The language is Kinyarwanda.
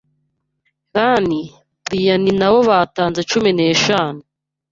Ian, Brian nabo batanze cumi neshanu